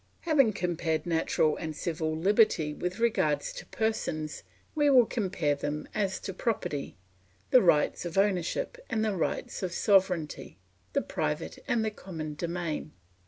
Having compared natural and civil liberty with regard to persons, we will compare them as to property, the rights of ownership and the rights of sovereignty, the private and the common domain.